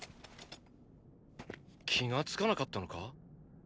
気が付かなかったのか？